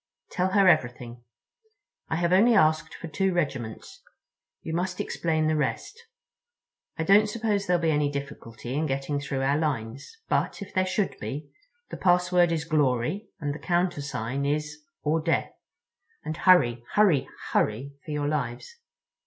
Tell her everything. I have only asked for the two regiments; you must explain the rest. I don't suppose there'll be any difficulty in getting through our lines, but, if there should be, the password is 'Glory' and the countersign is 'or Death.' And hurry, hurry, hurry for your lives!"